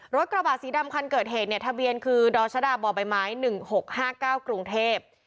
รถกระบะสีดำคันเกิดเหตุเนี่ยทะเบียนคือดรชดาบใบไม้๑๖๕๙กรุงเทพ